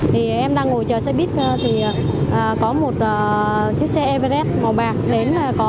thì em đang ngồi chờ xe buýt thì có một chiếc xe everest màu bạc